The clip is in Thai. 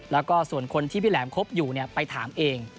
แล้วก็ส่วนคนที่พี่แหลมคบอยู่ไปถามเอง